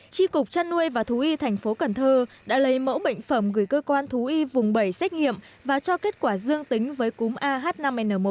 tri cục chăn nuôi và thú y thành phố cần thơ đã lấy mẫu bệnh phẩm gửi cơ quan thú y vùng bảy xét nghiệm và cho kết quả dương tính với cúm ah năm n một